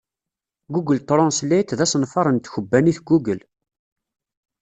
Google Translate d asenfaṛ n tkebbanit Google.